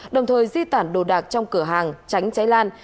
đồng thời di tản đồ đạc trong cửa hàng tránh cháy lan